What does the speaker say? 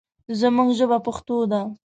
زموږ ژبه پښتو ده.